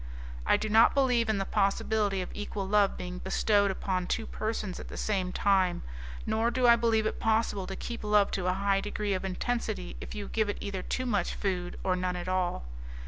I do not believe in the possibility of equal love being bestowed upon two persons at the same time, nor do I believe it possible to keep love to a high degree of intensity if you give it either too much food or none at all.